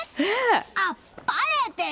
あっぱれです！